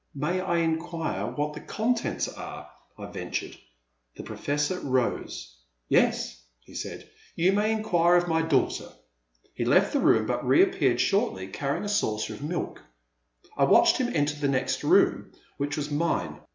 May I inquire what the contents are?" I ventured. The Professor rose. Tlu Man at the Next Table. 397 "Yes, he said, "you may inquire of my daughter.*' He left the room but reappeared shortly, carrying a saucer of milk. I watched him enter the next room which was mine.